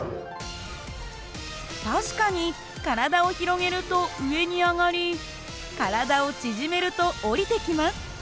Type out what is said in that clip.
確かに体を広げると上に上がり体を縮めると下りてきます。